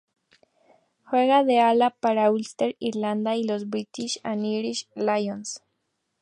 Juega de ala para Ulster, Irlanda y los British and Irish Lions.